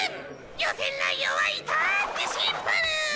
予選内容は至ってシンプル！